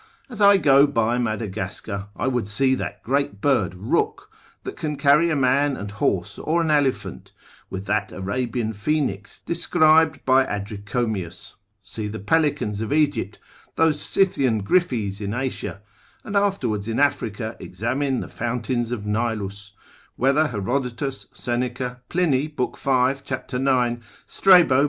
As I go by Madagascar, I would see that great bird ruck, that can carry a man and horse or an elephant, with that Arabian phoenix described by Adricomius; see the pelicans of Egypt, those Scythian gryphes in Asia: and afterwards in Africa examine the fountains of Nilus, whether Herodotus, Seneca, Plin. lib. 5. cap. 9. Strabo.